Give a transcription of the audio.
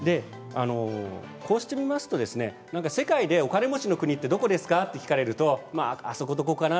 こうして見ますと世界でお金持ちの国はどこですかと聞かれるとあそこかな？